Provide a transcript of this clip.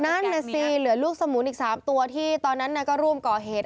นั่นน่ะสิเหลือลูกสมุนอีก๓ตัวที่ตอนนั้นก็ร่วมก่อเหตุ